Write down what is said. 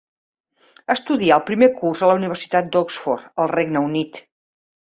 Estudià el primer curs a la Universitat d'Oxford, al Regne Unit.